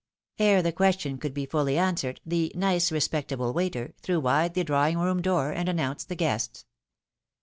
" Ere the question could be fuUy answered, the " nice respect able waiter," threw wide the drawing room door, and announced the guests.